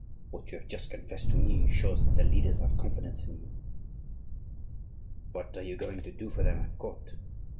What you have just confessed to me shows that the leaders have confidence in you. What are you going to do for them at court?"